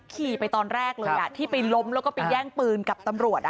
ขี่ไปตอนแรกเลยที่ไปล้มแล้วก็ไปแย่งปืนกับตำรวจ